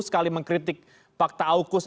sekali mengkritik fakta aukus